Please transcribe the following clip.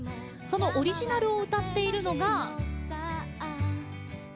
そのオリジナルを歌っているのが。